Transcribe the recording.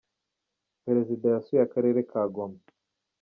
perezida yasuye akarere ka ngoma.